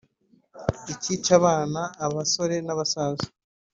Ikica abana abasore n’abasaza